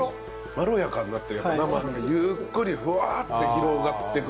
まろやかになってゆっくりふわって広がっていく感じ。